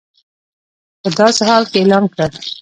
په داسې حال کې اعلان کړل